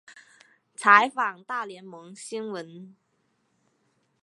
采访大联盟新闻。